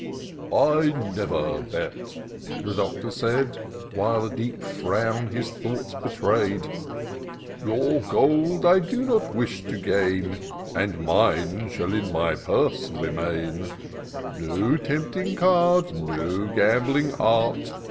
" I never bet," the Doctor said^ While a, deep frown his thoughts betray'd :" Your gold I do not wish to gain. And mine shall in my purse remain : No tempting card, no gambling art.